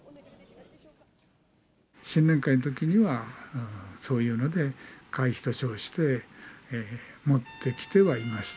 新年会のときには、そういうので、会費と称して持ってきてはいました。